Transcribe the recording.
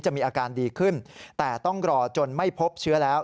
มีอาการดีขึ้นแต่ต้องรอจนไม่พบเชื้อแล้ว